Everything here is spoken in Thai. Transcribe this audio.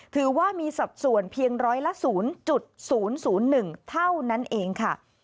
ถือว่ามีสัดส่วนเพียงร้อยละ๐๐๑เท่านั้นเองค่ะ